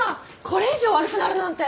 これ以上悪くなるなんて。